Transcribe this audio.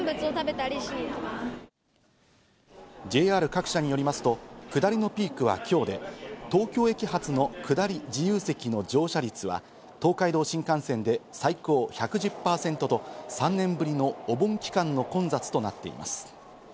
ＪＲ各社によりますと、下りのピークは今日で、東京駅発の下り自由席の乗車率は東海道新幹線で最高１１０％と３年ぶりのお盆期間の混雑となっています。